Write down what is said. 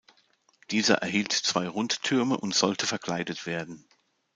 Dieser erhielt zwei Rundtürme und sollte verkleidet werden.